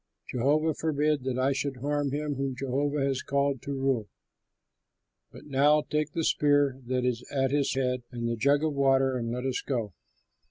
Jehovah forbid that I should harm him whom Jehovah has called to rule! But now take the spear that is at his head and the jug of water, and let us go."